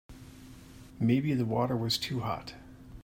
Maybe the water was too hot.